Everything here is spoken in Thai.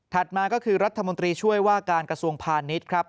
มาก็คือรัฐมนตรีช่วยว่าการกระทรวงพาณิชย์ครับ